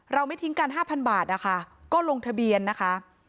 ไม่ทิ้งกัน๕๐๐บาทนะคะก็ลงทะเบียนนะคะ